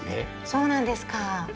そうなんですか。